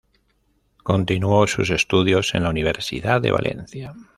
Continuó sus estudios en la Universidad de Valencia.